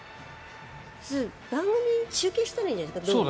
番組、中継したらいいんじゃないですか？